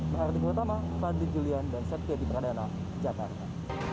pertama tama fadil julian dan setya di pradana jakarta